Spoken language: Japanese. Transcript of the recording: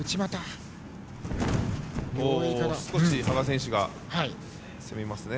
少し羽賀選手が攻めますね。